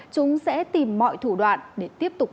chúng sẽ tìm mọi thủ đoạn để tiếp tục